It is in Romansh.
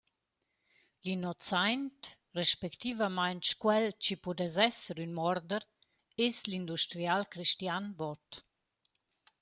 «L’innozaint» respectivmaing quel chi pudess esser ün morder es l’industrial Christian Bott.